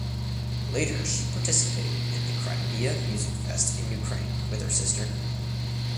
Later she participated in the Crimea Music Fest in Ukraine with her sister.